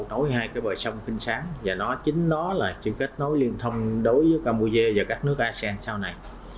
nối hai cái bờ sông kinh sáng và nó chính nó là chuyện kết nối liên thông đối với campuchia và các nước asean sau này